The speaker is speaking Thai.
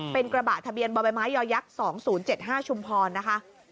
เป็นกระบะทะเบียนบรรยายักษ์๒๐๗๕ชุมพรนะคะ